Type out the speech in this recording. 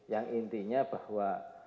yang intinya bahwa